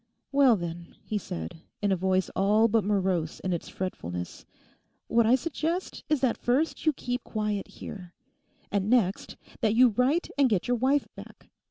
'Well then,' he said, in a voice all but morose in its fretfullness, 'what I suggest is that first you keep quiet here; and next, that you write and get your wife back.